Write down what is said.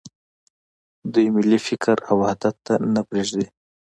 دوی ملي فکر او وحدت ته نه پرېږدي.